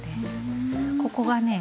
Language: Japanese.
ここがね